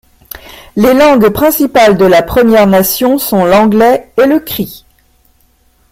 Les langues principales de la Première Nation sont l'anglais et le cri.